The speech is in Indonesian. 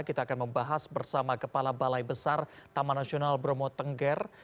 kita akan membahas bersama kepala balai besar taman nasional bromo tengger